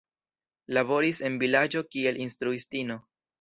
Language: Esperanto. Laboris en vilaĝo kiel instruistino.